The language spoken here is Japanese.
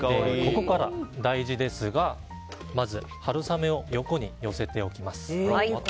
ここから大事ですがまず、春雨を横に寄せておきます。